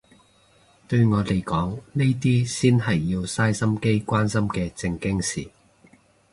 對我嚟講呢啲先係要嘥心機關心嘅正經事